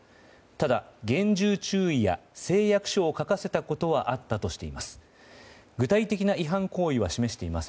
ただ、厳重注意や誓約書を書かせたことはあったとしています。